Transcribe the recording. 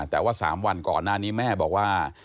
แต่ว่า๓วันก่อนหน้านี้แม่บอกว่า